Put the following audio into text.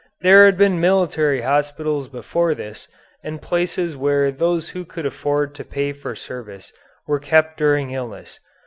There had been military hospitals before this, and places where those who could afford to pay for service were kept during illness.